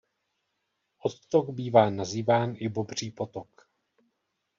Odtok bývá nazýván i Bobří potok.